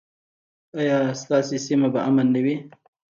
ایا ستاسو سیمه به امن نه وي؟